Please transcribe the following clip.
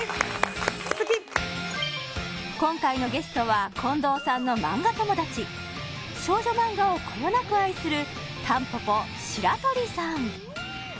今回のゲストは近藤さんのマンガ友達少女マンガをこよなく愛するたんぽぽ白鳥さん